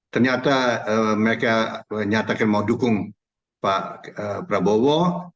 ternyata mereka menyatakan mau dukung pak prabowo